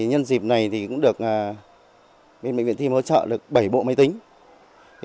nhân dịp này cũng được bệnh viện tim hỗ trợ được bảy bộ máy tính